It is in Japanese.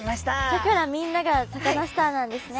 だからみんながサカナスターなんですね。